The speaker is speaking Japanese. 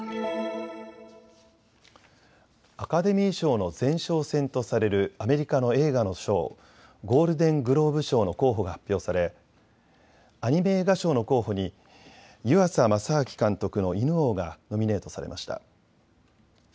アカデミー賞の前哨戦とされるアメリカの映画の賞、ゴールデングローブ賞の候補が発表されアニメ映画賞の候補に湯浅政明監督の犬王がノミネートされました。